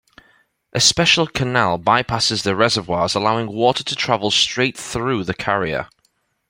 A special canal bypasses the reservoirs allowing water to travel straight through the carrier.